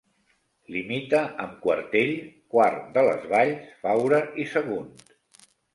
Limita amb Quartell, Quart de les Valls, Faura i Sagunt.